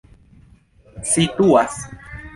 situas